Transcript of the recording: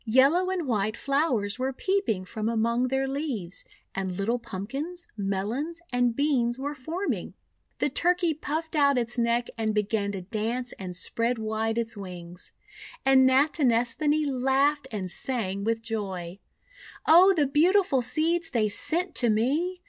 Yellow and white flowers were peeping from among their leaves, and little Pumpkins, Melons, and Beans were forming. The Turkey puffed out its neck and began to dance and spread wide its wings. And Nati nesthani laughed and sang with joy: — "Oh, the beautiful Seeds they sent to me!